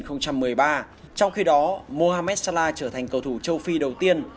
trong khi đó mohamed salah trở thành cầu thủ châu phi đầu tiên